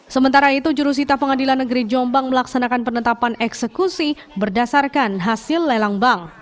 sementara itu jurusita pengadilan negeri jombang melaksanakan penetapan eksekusi berdasarkan hasil lelang bank